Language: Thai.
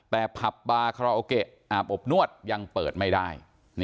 แต่ผับบาคาราโอเกะอาบอบนวดยังเปิดไม่ได้